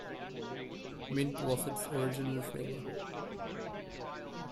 Mint was its original flavor.